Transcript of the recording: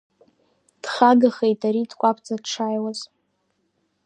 Дхагахеит ари, дкәаԥӡа дшааиуаз.